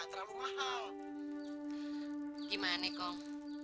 terlalu mahal gimana kong